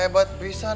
terima kasih fisan